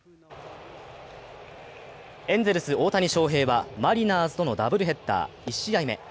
エンゼルス・大谷翔平はマリナーズとのダブルヘッダー１試合目。